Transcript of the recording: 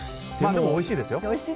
でも、おいしいですよ。